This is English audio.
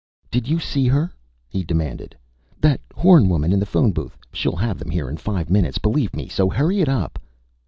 "Did you see her?" he demanded. "That Horn woman, in the phone booth? She'll have them here in five minutes, believe me, so hurry it up!"